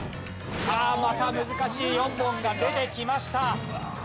さあまた難しい４問が出てきました。